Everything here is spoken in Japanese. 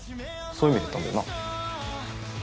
そういう意味で言ったんだよな？